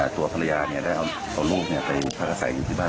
ตัวภรรยาเนี้ยได้เอาเอาลูกเนี้ยไปพระศัยอยู่ที่บ้าน